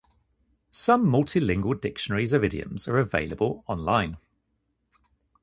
Some multilingual dictionaries of idioms are available on-line.